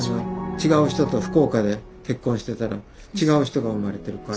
違う人と福岡で結婚してたら違う人が生まれてるから。